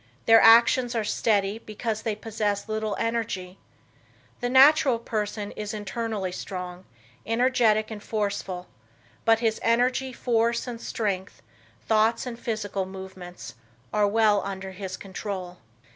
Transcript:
Their actions are steady because they possess little energy. The natural person is internally strong, energetic and forceful, but his energy, force and strength, thoughts and physical movements are well under his control.